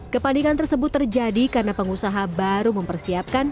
kepanikan tersebut terjadi karena pengusaha baru mempersiapkan